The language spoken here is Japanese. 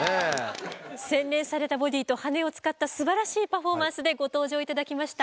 洗練されたボディーと羽を使ったすばらしいパフォーマンスでご登場頂きました